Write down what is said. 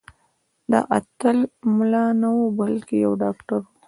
دا اتل ملا نه و بلکې یو ډاکټر و.